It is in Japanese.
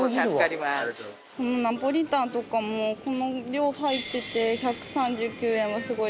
このナポリタンとかもこの量入ってて１３９円はすごい安いです。